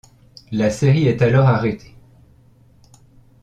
La série est alors arrêtée.